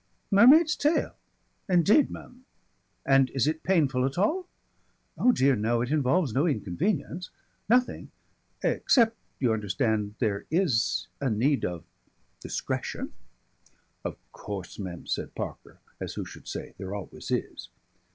"Mermaid's tail! Indeed, Mem! And is it painful at all?" "Oh, dear, no, it involves no inconvenience nothing. Except you understand, there is a need of discretion." "Of course, Mem," said Parker, as who should say, "there always is."